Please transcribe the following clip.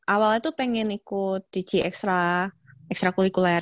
awalnya tuh pengen ikut ulasan ekstra kulikuler